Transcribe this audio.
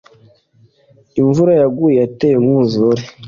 imvura yaguye yateye umwuzure